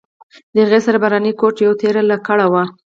د هغې سره باراني کوټ او یوه تېره لکړه هم وه.